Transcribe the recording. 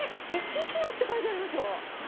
１キロって書いてありますよ。